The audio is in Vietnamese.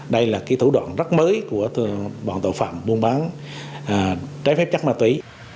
đây là cái thủ đoạn rất mới của bọn tàu phạm mua bán trái phép chắc ma túy